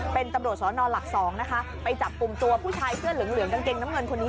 เป็นตำรวจสอนอนหลัก๒นะคะไปจับกลุ่มตัวผู้ชายเสื้อเหลืองเหลืองกางเกงน้ำเงินคนนี้